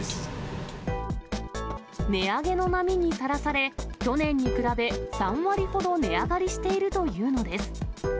値上げの波にさらされ、去年に比べ３割ほど値上がりしているというのです。